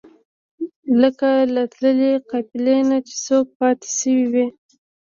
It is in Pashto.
لکه له تللې قافلې نه چې څوک پاتې شوی وي.